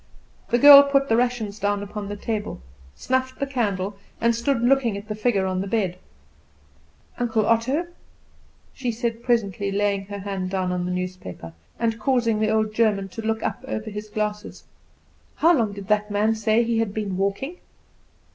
The girl put the rations down upon the table, snuffed the candle, and stood looking at the figure on the bed. "Uncle Otto," she said presently, laying her hand down on the newspaper, and causing the old German to look up over his glasses, "how long did that man say he had been walking?"